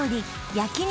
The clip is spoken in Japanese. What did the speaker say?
焼肉